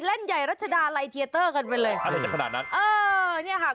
ใหญ่รัชดาลัยเทียเตอร์กันไปเลยอะไรจะขนาดนั้นเออเนี่ยค่ะ